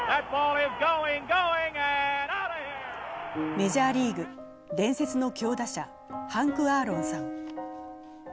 メジャーリーグ、伝説の強打者、ハンク・アーロンさん。